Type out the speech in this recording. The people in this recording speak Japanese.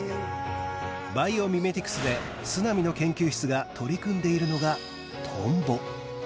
バイオミメティクスで砂見の研究室が取り組んでいるのが・